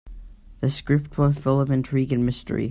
The script was full of intrigue and mystery.